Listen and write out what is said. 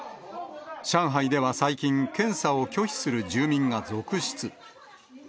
上海では最近、検査を拒否する住民が続出。